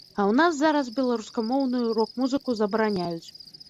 А ў нас зараз беларускамоўную рок-музыку забараняюць.